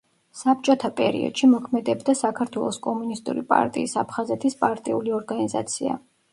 საბჭოთა პერიოდში მოქმედებდა საქართველოს კომუნისტური პარტიის აფხაზეთის პარტიული ორგანიზაცია.